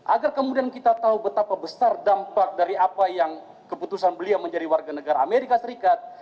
agar kemudian kita tahu betapa besar dampak dari apa yang keputusan beliau menjadi warga negara amerika serikat